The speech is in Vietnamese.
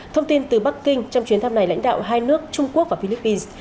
thông tin từ bắc kinh trong chuyến thăm này lãnh đạo hai nước trung quốc và philippines